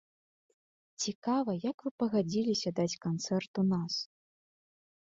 Цікава, як вы пагадзіліся даць канцэрт у нас?